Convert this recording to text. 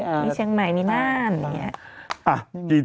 ที่เชียงใหม่นี่น่าอย่างเงี้ย